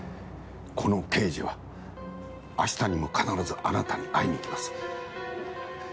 この刑事は明日にも必ずあなたに会いに来ます。